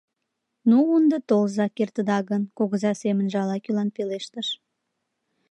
«Ну, ынде толза, кертыда гын», — Кугыза семынже ала-кӧлан пелештыш.